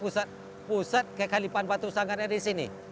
jadi pusat kekalipan batu sanggan ada di sini